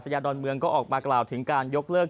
ยาดอนเมืองก็ออกมากล่าวถึงการยกเลิก